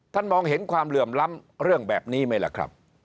มองเห็นความเหลื่อมล้ำเรื่องแบบนี้ไหมล่ะครับ